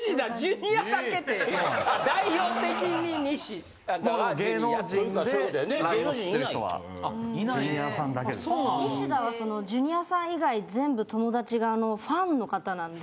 ニシダはジュニアさん以外全部友だちがファンの方なんで。